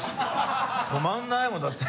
止まらないもんだって。